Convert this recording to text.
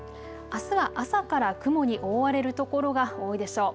あすは朝から雲に覆われる所が多いでしょう。